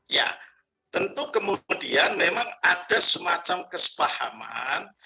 ya tentu kemudian memang ada semacam kesepahaman